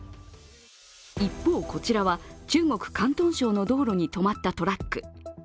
一方、こちらは中国広東省の道路に止まったトラック。